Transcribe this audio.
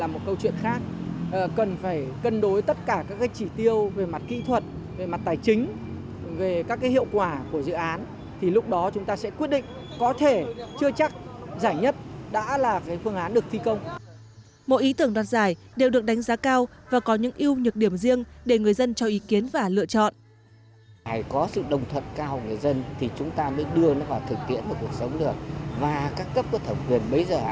mỗi ý tưởng đoạt giải đều được đánh giá cao và có những yêu nhược điểm riêng để người dân cho ý kiến và lựa chọn